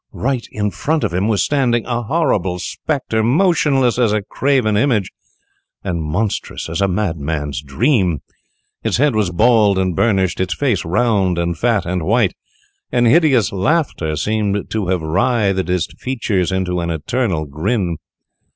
Right in front of him was standing a horrible spectre, motionless as a carven image, and monstrous as a madman's dream! Its head was bald and burnished; its face round, and fat, and white; and hideous laughter seemed to have writhed its features into an eternal grin.